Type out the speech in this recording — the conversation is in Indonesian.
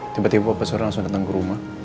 tiba tiba papa surya langsung datang ke rumah